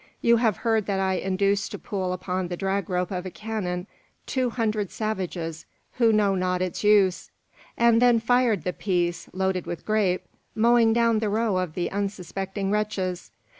You have heard that I induced to pull upon the drag rope of a cannon two hundred savages, who know not its use; and then fired the piece, loaded with grape, mowing down the row of unsuspecting wretches!